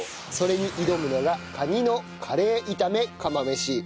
それに挑むのがカニのカレー炒め釜飯。